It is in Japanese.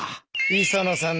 磯野さん